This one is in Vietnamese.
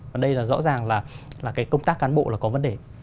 và đây là rõ ràng là cái công tác cán bộ là có vấn đề